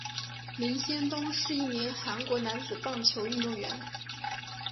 林仙东是一名韩国男子棒球运动员。